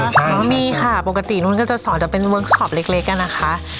เออใช่ค่ะมีค่ะปกตินุ้นก็จะสอนจะเป็นเวิร์กซอปเล็กเล็กอ่ะนะคะ